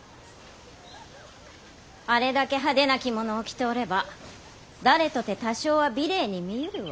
・あれだけ派手な着物を着ておれば誰とて多少は美麗に見ゆるわ。